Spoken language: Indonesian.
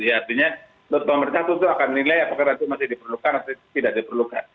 artinya pemerintah tentu akan menilai apakah nanti masih diperlukan atau tidak diperlukan